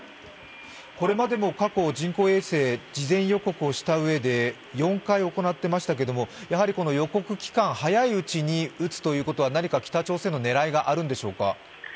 これまでも過去、人工衛星、事前予告をしたうえで４回行っていましたけど、やはり、この予告期間早いうちに撃つというのは何かあるのでしょうか。